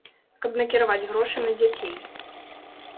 Каб накіраваць грошы на дзяцей.